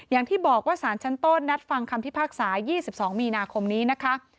อย่างที่บอกว่าสารชั้นต้นนัดฟังคำพิพากษา๒๒มีนาคมนี้นะคะ